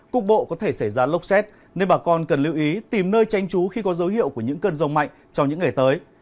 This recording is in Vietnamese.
cục bộ có thể xảy ra lốc xét nên bà con cần lưu ý tìm nơi tranh trú khi có dấu hiệu của những cơn rông mạnh trong những ngày tới